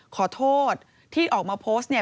ขอโทษที่ออกมาโพสต์เนี่ย